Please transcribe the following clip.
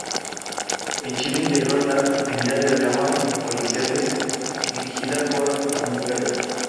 En Chile integró la Compañía de dramas policiales, dirigida por Ramón Caral.